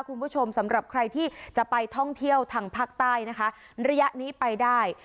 คุณผู้ชมสำหรับใครที่จะไปท่องเที่ยวทางภาคใต้นะคะระยะนี้ไปได้